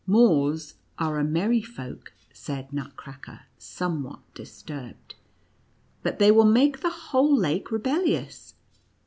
" Moors are a merry folk," said Nutcracker, somewhat disturbed," but they will make the whole lake rebellious."